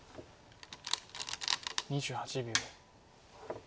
２８秒。